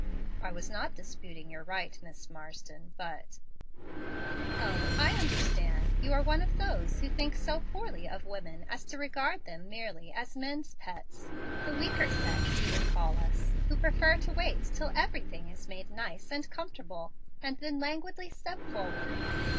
"I was not disputing your right, Miss Marsden, but " "O, I understand. You are of those who think so poorly of women as to regard them merely as men's pets, the weaker sex, you would call us, who prefer to wait till everything is made nice and comfortable, and then languidly step forward.